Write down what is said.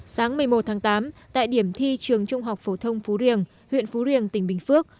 sáng một mươi một tháng tám tại điểm thi trường trung học phổ thông phú riềng huyện phú riềng tỉnh bình phước